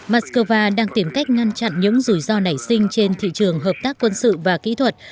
moscow đang tìm cách ngăn chặn những rủi ro nảy sinh trên thị trường hợp tác quân sự và kỹ thuật